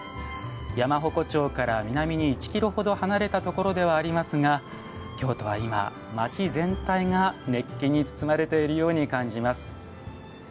山鉾町から南に１ｋｍほど離れたところではありますが京都は今、町全体が熱気に包まれているように感じます。